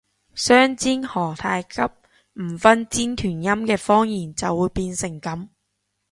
相姦何太急，唔分尖團音嘅方言就會變成噉